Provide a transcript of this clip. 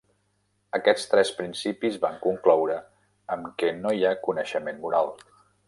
Aquests tres principis van concloure amb què no hi ha coneixement moral.